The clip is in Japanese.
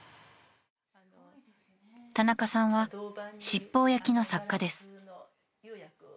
田中さんは七宝焼きの作家です。